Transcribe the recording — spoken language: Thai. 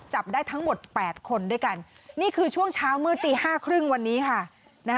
จับได้ทั้งหมด๘คนด้วยกันนี่คือช่วงเช้ามืดตีห้าครึ่งวันนี้ค่ะ